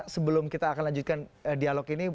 sebelum kita akan lanjutkan dialog ini